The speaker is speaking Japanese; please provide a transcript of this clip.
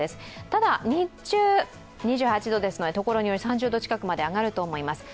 ただ、日中、２８度ですのでところにより３０度近くまで上がるかもしれません。